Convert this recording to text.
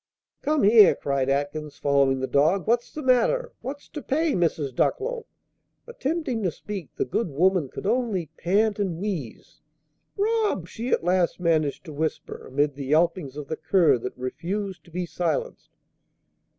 "Come here!" cried Atkins, following the dog. "What's the matter? What's to pay, Mrs. Ducklow?" Attempting to speak, the good woman could only pant and wheeze. "Robbed!" she at last managed to whisper, amid the yelpings of the cur that refused to be silenced.